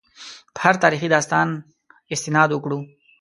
په هر تاریخي داستان استناد وکړو.